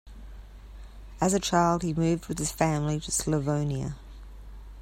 As a child, he moved with his family to Slavonia.